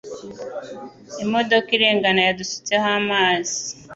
Imodoka irengana yadusutseho amazi.